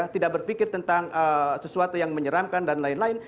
tidak berpikir tentang sesuatu yang menyeramkan dan lain lain